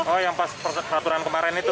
oh yang pas peraturan kemarin itu